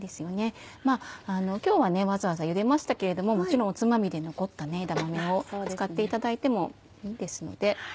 今日はわざわざゆでましたけれどももちろんおつまみで残った枝豆を使っていただいてもいいですので。